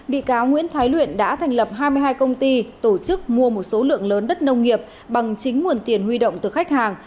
bị cáo nguyễn thái luyện đã thành lập hai mươi hai công ty tổ chức mua một số lượng lớn đất nông nghiệp bằng chính nguồn tiền huy động từ khách hàng